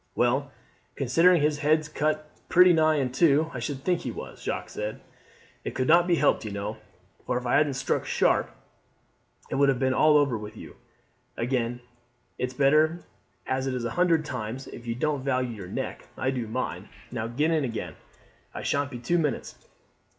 "Well, considering his head's cut pretty nigh in two, I should think he was," Jacques said. "It could not be helped, you know; for if I hadn't struck sharp it would have been all over with you. Anyhow it's better as it is a hundred times. If you don't value your neck, I do mine. Now get in again. I sha'n't be two minutes."